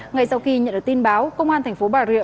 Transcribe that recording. ngay sau khi nhận được tin báo công an thành phố bà rịa